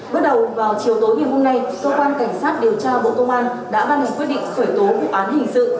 bước đầu vào chiều tối ngày hôm nay cơ quan cảnh sát điều tra bộ công an đã ban hành quyết định khởi tố vụ án hình sự